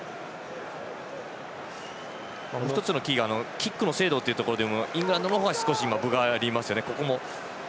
キックの精度というところでもイングランドの方に今、少し分がありますよね。